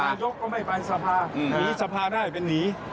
นายกก็ไม่ไปสภาหนีสภาได้เป็นหนี